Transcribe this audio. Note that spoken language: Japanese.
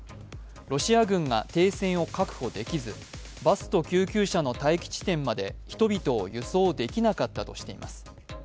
ロシア軍が停戦を確保できずバスと救急車の待機地点まで人々を輸送できなかったとしています。